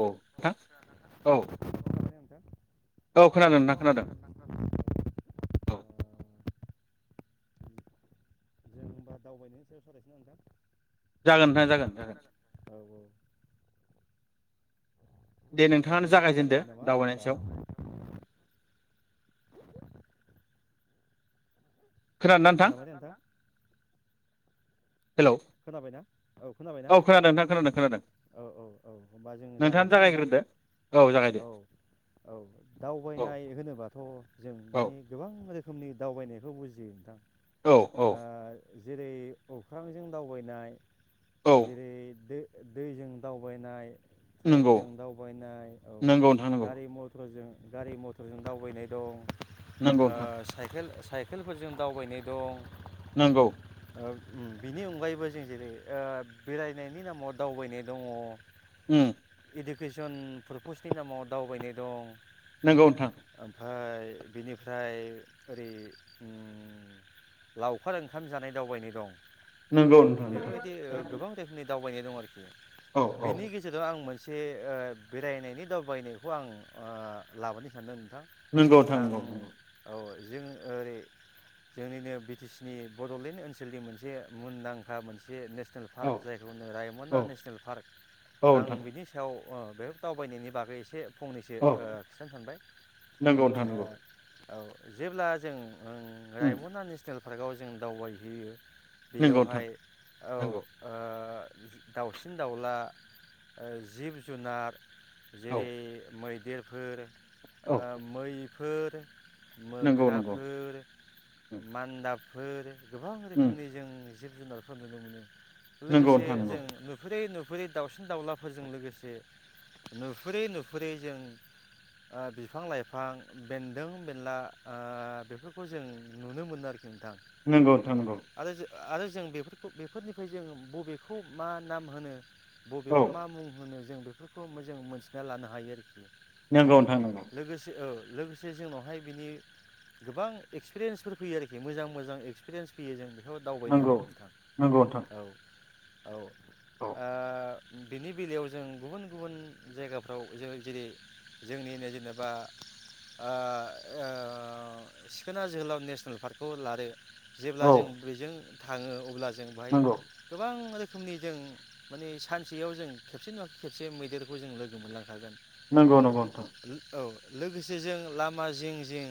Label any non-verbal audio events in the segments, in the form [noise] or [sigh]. औ नोंथां औ माबाबायना नोंथां ओ [inaudible] औ खोनादों नोंथां खोनादों औ होनोमबा दावबाय [unintelligible] नोंथां जागोन नोंथां जागोन जागोन औ दे ओ नोंथाङानो नोंथाङा जागायजेनदो जागायदो नामा होमबा दावबायनायनि सायाव खोनादोंना नोंथां खोनाबाय नोंथाङा हेलौ खोनाबायना औ खोनाबायना औ खोनादों नोंथां खोनादों खोनादों औ औ औ होमबा जों नोंथाङानो जागायसिनो नोंथां जागायग्रोदो औ औ औ दावबायनाय होनोबाथ' जों औ माने गोबां रोखोमनि रोखोमनि दावबायनायखौ बुजियो नोंथां औ औ ओ जेरै अख्रांजों दावबायनाय औ जेरै [unintelligible] दैजों दावबायनाय नंगौ ट्रेनजों दावबायनाय औ नंगौ नोंथां नंगौ गारि मथरजों गारि मथरजों दावबायनाय दं। नंगौ ओ नोंथां साइकेल साइकेलफोरजों दावबायनाय दं। नंगौ ओ उम बि- नि अनगायैबो जों जेरै ओ बेरायनायनि नामाव दावबायनाय दङ उम इडुकेसन पारपसनि नामाव दावबायनाय दं। नंगौ नोंथां ओ बिनिफ्राय ओरै उम लावखार ओंखाम जानाय दावबायनाय दं। नंगौ नोंथां नोंथां बेयावथ इदि गोबां रोखोमनि दावबायनाय दं आरोखि औ औ बिनि गेजेराव आं मोन से ओ बेरायनायनि दावबायनायखौ आं ओ लाबोनो सानदों नोंथां नंगौ नोंथां आं नंगौ नंगौ औ जों ओरै जोंनिनो बिटिसिनि बडलेण्ड ओनसोलनि मोनसे मुंदांखा मोनसे नेस- नेल औ पार्क जायखौ होनदों रायमना औ नेसनेल पार्क औ आं नोंथां बिनि सायाव अ बेफोर दावबायनायनि बागै एसे फंनैसो औ ओ खिथानो सानबाय नंगौ नोंथां नंगौ ओ औ जेब्ला जों ओं उम रायमना नेसनेल फार्काव जों दावबायहैयो नंगौ नोंथां बेयावहाय औ नंगौ ओ दाउसिन दाउला ओ जिब जुनार औ जेरै मै देरफोर औ ओ मै फोर नंगौ नंगौ मोख्राफोर, उम मान्दाब फोर गोबां उम रोखोमनि जों जिब जुनारखौ नुनो मोनो। नंगौ लोगोसे नोंथां नंगौ जों नुफेरै नु नुफेरै दाउसिन दाउलाफोरजों लोगोसे नुफेरै नुफेरै जों बिफां लाइफां बेन्दों बेनला ओ बेफोरखौ जों नुनो मोनो आरोखि। नोंथां, नंगौ नोंथां नंगौ आरो आरो जों बेफोरखौ बेफोरनिफ्राय जों बबेखौ मा नाम होनो औ बबेखौ मा मुं होनो जों बेफोरखौ जों मोनथिना लानो हायो आरोखि। नंगौ नोंथां नंगौ। लोगोसे औ लोगोसे जोंनावहाय बिनि गोबां एक्सपिरियेन्सफोर फैयो आरोखि मोजां मोजां एक्सपिरियेन्स फैयो जों बेखौ दावबायनानै नंगौ नोंथां नंगौ नोंथां औ। औ। औ ओ बिनि बेलायाव जों गुबुन गुबुन जायगाफ्राव जों जेरै जोंनिनो जेनेबा ओ‌ ओ सिखोना जोहोलाव नेसनेल पार्कखौ लादो जेब्ला औ जों जों थाङो अब्ला जों बेहाय नंगौ गोबां रोखोमनि जों माने सानसेयाव जों खेबसे नङा खेबसे मैदेरखौ जों लोगो मोनलांखागोन। नंगौ नंगौ‌ नोंथां। औ लोगोसे जों लामा जिं जिं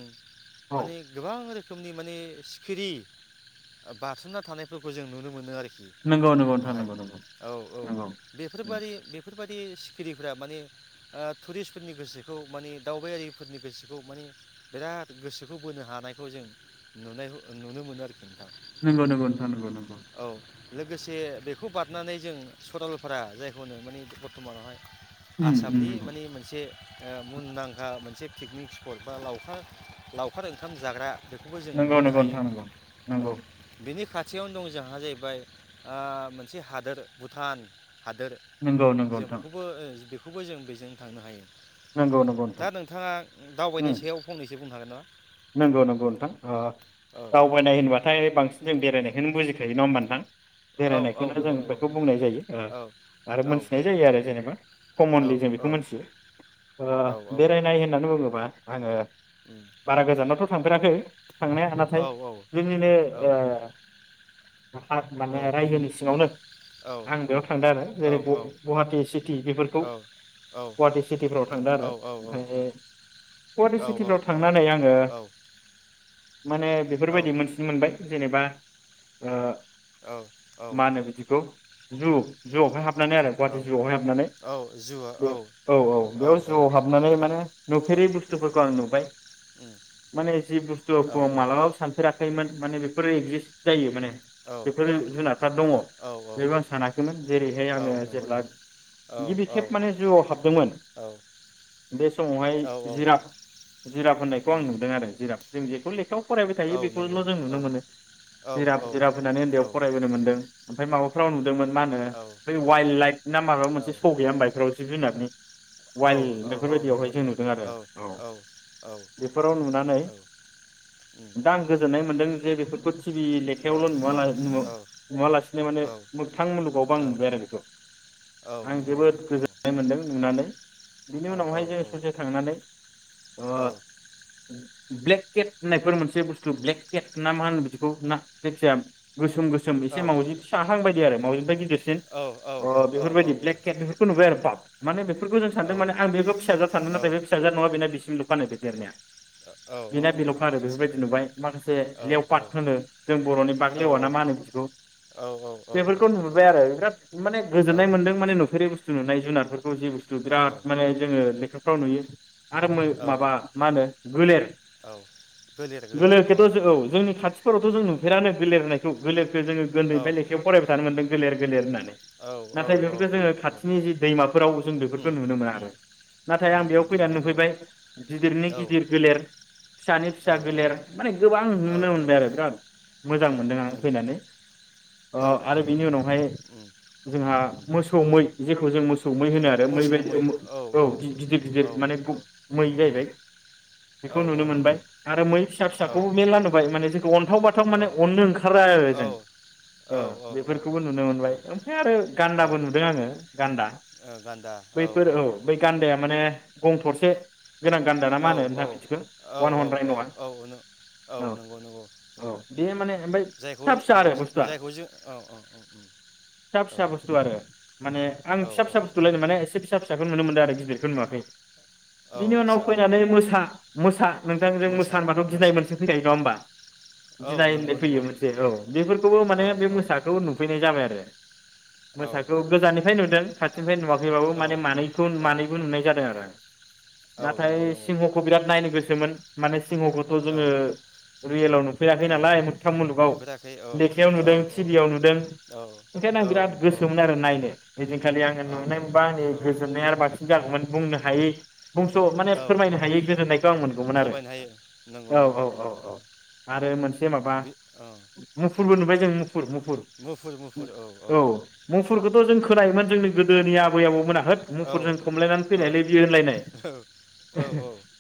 औ माने गोबां रोखोम रोखोमनि माने सिखिरि बारसोमना थानायफोरखौ जों नुनो मोनो आरोख नंगौ नंगौ नोंथां बेहाय नंगौ नंगौ औ औ बेफोरबादि बेफोर बेफोरबादि सिखिरिफ्रा माने ओ टुरिस्टफोरनि गोसोखौ माने दावबायारिफोरनि गोसोखौ माने बिराद गोसोखौ बोनो हानायखौ जों नुनायखौ नुनो मोनो आरोखि। नोंथां नोंगौ नोंगौ नोंथां नोंगौ नोंगौ। औ लोगोसे बेखौ बारनानै जों सरलफारा जायखौ होनो माने बर्थमानावहाय उम आसामनि उम माने मोनसे ओ‌ मुंदांखा मोनसे पिकनिक स्पट बा लावखार लावखार ओंखाम जाग्रा बेखौबो जों नंगौ नुहैनो नंगौ नंगौ हायो। नोंथां औ नंगौ। बिनि खाथियावनो दं जोंहा जाहैबाय ओ‌ मोनसे हादोर भुटान। हादोर नंगौ नंगौ जों नोंथां बेखौबो ओ बेख बेखौबो जों बेजों थांनो हायो। नंगौ नंगौ दा नोंथां नोंथाङा दावबायनाय उम सायाव फंनैसो बुं हागोन ना? नंगौ नंगौ नोंथां हागोन नामा औ ओ [unintelligible] फोनाय औ होनबाथाय बांसिन जों बेरायनायखौनो बजिख [unintelligible] नङा होनोमबदां औ औ बेरायनायखौनो जों नंगौ नंगौ बेखौ बुंनाय जायो औ आरो औ मोनथिनाय जायो आरो जेनेबा औ कमनलि जों बेखौ मोनथियो औ ओ बेरायनाय होननानै बुङोबा आङो उ बारा गोजानावथ' थांफेराखै थांनाया नाथाय औ औ जोंनिनो औ ओ आ [unintelligible] औ माने रायजोनि सिङावनो आं बेयाव थांदों आरो जेरै औ गुवाहाटिी सिटि बेफोरखौ औ औ गुवाहाटिी सिटिफ्राव थांदों आरो औ ओमफ्राय गुवाहाटि सिटिफ्राव थांनानै आं औ माने बेफोरबायदि मोनथिनो मोनबाय जेनेबा ओ मानो बिदिखौ जु जुवहाय हाब [unintelligible] नानै आरो औ गुवाहाटी जुआवहाय हाबनानै औ जुवा बे औ औ बेयाव जुआव हाबनानै माने औ नुफेरै बुस्थुफोरखौ आं नुबाय उम माने जि औ बुस्थुखौ मालाबाबो सानफेराखैमोन माने बेफोर एगजिस्ट जायो माने औ बेफोर जुनारफ्रा दङ औ बेबो आं सानाखैमोन जेरैहाय औ आङो नंगौ जेब्ला नंगौ औ गिबि औ खेब माने जुआव हाबदोंमोन औ बे समावहाय औ औ जिराब जिराब होननाय [unintelligible] आं उम नुदों आरो जों जेखौ लेखायाव फरायबाय औ थायो बेखौल' नंगौ जों नुनो औ मोनो औ जिराब औ जिराब होनानै औ उन्दैयाव फरायबोनो मोनदों ओमफ्राय माबाफ्राव नुदोंमोन मा होनो बै वाइल्ड लाइफ ना माबा मोनसेश' गैया होनबायफ्राव जिब जुनारनि औ वाइल्ड औ औ बेफोरबायदियावहाय नंगौ जों नंगौ नुदों आरो औ औ औ बेफोराव नुनानै उम दां गोजोननाय मोनदों जे बेफोरखौ थि टिभि औ लेखायावल' नु औ नुवालासिनो माने औ मोगथां मुलुगावबो आं नुबाय आरो बेखौ औ आं नंगौ जोबोद नंगौ औ गोजोननाय मोनदों नुनानै बिनि औ औ उनावहाय जों ससे थांनानै अ औ ब्लेकेट होननायफोर मोनसे बुस्थु ब्लेकेट ना मा होन बिखौ ना जेखिजाया गोसोम गोसोम एसे मावजि फिसाहां बायदि आरो मवजिनिफराय गिदिरसि सिन ओ औ बेफोरबायदि औ औ ब्लेक के बेफोरखौ नुबाय आरो बा माने बे फोरखौ जों सानदों माने आं बेबो फिसाजो सानदों नाथाय फिसाजोआनो नङा बेना बिसिमलु बानायदो देरनाया बिना बिलावखा आरो आदसा बेफोरबायदि नुबाय माखासे औ औ लेवपात होनो जों बर'नि बाग्लेवा ना मा होनो बिदिखौ औ बेफोरखौ औ नुबाय आरो बिराद माने गोजोननाय मोनदों माने नुफेरै बुसथ जुनुनाय जुनारफोर खौ जे बुस्थु बिराद औ माने जोङो लेखा औ नुयो आरो औ माय-माबा मा होनो गोलेर औ गोलेरखेथ' ज औ जोंनि खाथिफोरावथ' जों नु फेरानो गोलेर होननायखौ गोलेर जोङो औ उन्दैफ्राय लेखायाव फरायबाय थानो मोनदों गोलेर गोलेर होननानै औ औ नाथाय औ बेफोरखौ जोङो औ खाथिनि जि दैमाफोराव जों उम बेफोरखौ नुनो मोना उम आरो नाथाय आं उम बेयाव उम फैनानै नंगौ नंगौ नुफैबाय गिदिरनि औ गिदिर गोलेर फिसानि औ फिसा गोलेर माने गोबां औ नुनो औ मोनबाय आरो बिराद मोजां उम मोनदों आं नंगौ फैनानै ओ औ आरो नंगौ बिनि उनावहाय उम जोंहा मोसौ मै जेखौ जों मोस सौ मै होनो आरो मै बायदि औ गि-गिदिर गिदिर औ माने औ मै जायैबाय [inaudible] औ बेखौ औ नुनो मोनबाय नंगौ आरो मै फिसा औ फिसाखौबो मेरला नोबाय माने जोंखौ अनथाव बाथाव औ माने अननो ओंखारा आरो औ जों औ बेफोरखौबो नुनो औ मोनबाय ओमफ्राय आरो औ गान्दाबो ओ नुदों आङो गान्दा बैफोर औ बै गान्दाया माने गं थरसे गोनां गानदााना मा औ होनो औ नोंथां बिदिखो औ अवान हर्न औ रायनआ औ नो औ नंगौ नंगौ औ बे उम माने ओमफ्राय जायखौ फिसा फिसा औ आरो बुसथुआ जायखौ जों औ औ उम फिसा औ फिसा बुस्थु आरो माने आं औ फिसा फिसा बुस्थुलाय माने एसे फिसा फिसाखौ नुनो मोनदों आरो गिदिरखौ नुवाखै। बिनि उनाव आदसा औ फैनानै औ औ मोसा मोसा नोंथांजों मोसा होनबाथ' गिनाय मोनसे फैखायो नङा होनोमबा औ गिनाय नंगौ होननाय फैयो नंगौ मोनसे औ बेफोरखौबो माने औ बे मोसाखौ नुफैनाय जाबाय आरो। [inaudible] औ मोसाखौ औ गोजाननिफ्राय नुदों। खाथिनिफ्राय नुवाखैबाबो माने औ मानैखौ औ मानैबो नुनाय जादों आरो। औ नाथाय नंगौ नंगौ सिंहखौ बिराद नायनो गोसो। मोन माने सिङावखौथ' औ जोङो रियेलाव नुफैयाखै औ नालाय मोगथां मुलुगाव नुफेराखै औ लेखायाव औ नुदों औ टिभियाव नुदों औ ओंखायनो आं बिराद औ औ गोसोमोन आरो नायनो बिदिनखालि आङो औ नुनाय मोनबा आंनि औ गोजोननाय आरो बांसिन जागौमोन बुंनो हायै। बुंंस' माने औ फोरमायनो औ हायै गोजोननायखौ आं मोनगौमोन आरो फोरमायनो हायो नंगौ औ नंगौ औ औ औ औ आरो मोनसे माबा बे औ मुफुरबो उम नुबाय जों मुफुर मुफुर औ औ मुफुरखौथ' जों खोनायोमोन जोंनो गोदोनि आबै आबौ मोना होद औ मुफुरजों खमलायनानै औ फैनायलै बियो होनलायनाय।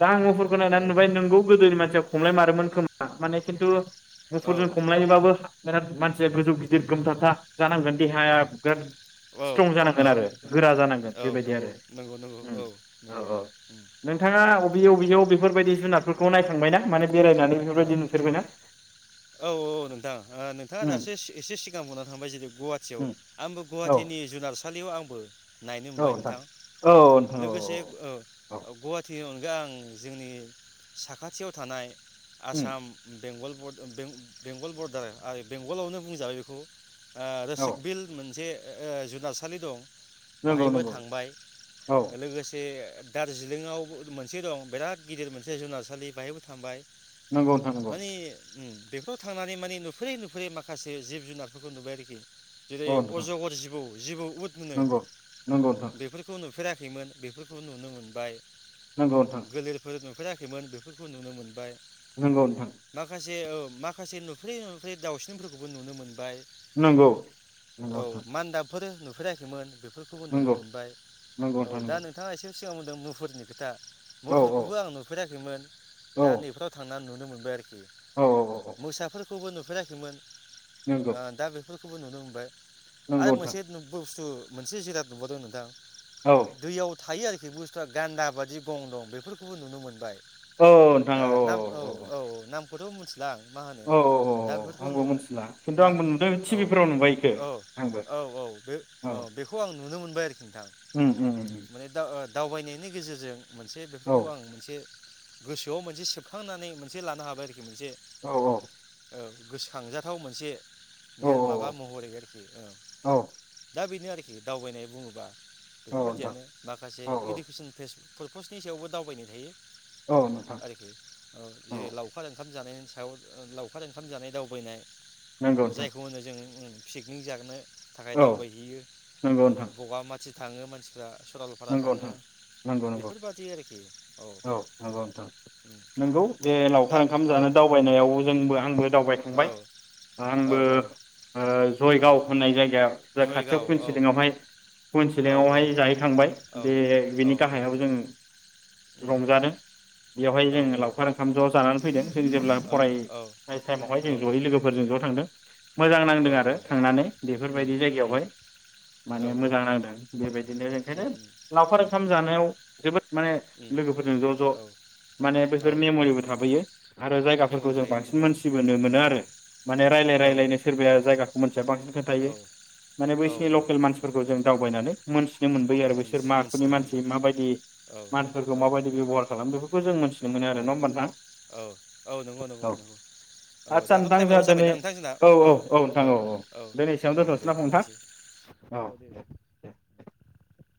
दा आं मुफुरखौ नायनानै नुबाय नोंगौ गोदोनि मानसिया खमलाय मारोमोन खोमा माने खिन्थु मुफुरजों खमलायोबाबो बेराद मान सि गोजौ गिदिर उम गोमथाथा जानांगोन। देहाया बिरात औ स्ट्रं जानांगोन औ आरो गोरा जानांगोन औ बेबायदि नंगौ आरो। नंगौ नंगौ औ औ नंगौ औ उम नोंथाङा अबे उम अबेयाव बेफोरबायदि जुनारफोर खौ नायखांबायना माने बेरायनानै ओ बेफोरबायदि नुफेरबायना औ औ नोंथां ओ नोंथाङा उम दासो एसे सिगां बुंनानै थांबाय जेरै गुवाहाटियाव उम आंबो औ गुवाहाटिनि जुनारसालिआव आं बो नायनो मोनबाय नोंथां औ नोंथां औ लोगोसे ओ औ ओ गुवाहाटि ओं। सिगां जोंनि साखाथियाव थानाय उम आसाम बेंगल बरडार बें-बेंगल बरडार आरो बेंगलावनो बुंजाबाय बेखौ। ओ औ रोसक बिल मोनसे ओ जुनारसालि दं। नंगौ बेाहायबो नंगौ थांबाय औ लोगोसे दार्जिलिंआवबो मोनसे दं बिराद गिदिर मोनसे जुनारसालि बेहायबो थांबाय। नंगौ नोंथां नंगौ उ बेफोराव थांनानै माने नुफेरै नुफेरै माखासे जिब-जुनारफोरखौ नुबाय आरोखि जेरै औ नोंथां अजगर जिबौ जिबौ बुद मोनो नंगौ नंगौ नोंथां बेफोरखौ नुफेरा खैमोन बेफोरखौ नुनो मोनबाय। नंगौ नोंथां गोलेरफोर नुफेरा खैमोन बेफोरखौ नुनो मोनबाय नगौ नोंथां जे ओ माखासे नुफेरै नुफेरै दाउसिनफोरखौबो नुनो मोनबाय। नंगौ नंगौ नोंथां फोर नुफेराखैमोन बेफोरखौबो नुनो नंगौ मोनबाय नंगौ औ नोंथां दा नंगौ नोंथाङा एसे सिगाङाव होनदों मुफुरनि खोथा औ औ मुफुरखौबो आं नुफेराखैमोन औ दा नै बेफो दा नुनो मोनबाय आरखि औ औ औ मोसाफोर खौबो नुफेराखैमोन नंगौ आ दा बे बेफोरखौबो नुनो मोनबाय। आरो नंगौ नोंथां मोनसे बुसथु मोनसे जिराद नुुबावदों नोंथां औ दैयाव थायो आरो बे बुस्थुआ गान्दा बादि गं दं बेफोरखौबो नुनो मोनबाय। औ औ नोंथां ओ औ नाम औ औ औ नाम खौथ' मोनथिला। मा होनो औ दा औ औ बेफोरखौ आंबो नुनो मिथिला खिन्थु आंबो नुदों औ टिभिफोराव नुबाय इखो औ आंबो औ औ बे औ बेखौ आं नु नुनो मोनबाय। दा उम उम उम माने दा ओ दावबायनायनि गेजेरजों मोनसे औ बेफोरखौ आं मोनसे गोसोआव मोनसे सोब खांनानै मोनसे लानो हाबाय आरोखि मोनसे औ औ ओ गोसोखांजाथाव मोनसे औ माबा महरै आरखि ओ औ दा बेनो आरो खि दावबायनाय बुङोबा औ नोंथां बेफोरबायदियानो माखासे औ औ इडुकेसन फेस फुलपस्टनि सायावबो दावबायनाय थायो। औ नोंथां। आरोखि औ जेरै लावखार ओंखाम जानायनि सायाव ओ लावखार ओंखाम जानाय दावबायनाय। नंगौ नोंथां जायखौ होनो जों ओ पिकनिक जागोनो थाखाय औ दावबायहैयो ओ नंगौ नोंथां बगा माट थाङो मानसिफ्रा सरलपारा नंगौ थाङो नोंथां नंगौ नंगौ बेफोरबादि आरोखि औ नंगौ नोंथां उम। नंगौ बे लावखार ओंखाम जानो दावबायनायाव जोंबो आंबो औ दावबायखांबाय औ आंबो औ ओ औ जयगाव होननाय जायगायाव खाथियाव जयगाव औ कुइनसिलिंआवहाय कुइ औ औ सिलिंआवहाय जाहैखांबाय। औ बे औ बिनि गाहायाव जों रंजादों। बेवहाय औ जों लावखार ओंखाम ज' जानानै फैदों। जों जेब्ला फराय औ नाय टाइमावहाय औ जों ज'यै लोगोफोरजों ज' थांदों। मोजां नांदों औ आरो औ थांनानै उम बेफोरबायदि उम जायगायावहाय औ माने मोजां नांदों बेबायदिनो ओंखायनो उम उम लावखार उम ओंखाम जानायाव जोबोद मा ने उम लोगोफोरजों ज' ज' औ माने औ बैफोर औ मेम'रिबो थाबैयो आरो जायगाफोरखौ मेम'रियाव जों थायो ना बांसिन औ मोनथिबोनो मोनो आरो उम माने रायलाय औ रायलायनो औ सोरबाया जायगाखौ मोनथिया बांसिन खोन्थायो औ माने औ बैसोरनि औ ल'केल मानसिफोरखौ जों दावबायनानै मोनस नुनो मोनबोयो आरो बे मोनथि स थाखोनि मोनथिनो हायो मानसि माबायदि औ मानसिफोरखो औ माबायदि बेबहार खालामो? बेफोरखौ जों मोन औ औ औ नंगौ नंगौ औ नंगौ औ आदसा दाथ' नोंथां टाइमाव जोंहा दिनै जाबायना नोंथां जोंना औ नोंथां औ औ दिनै एसेयावनो औ दोनथ'नोसै दे ना नोंथां हामबायसै औ दे दे। [inaudible]